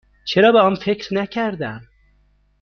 چرا به آن فکر نکردم؟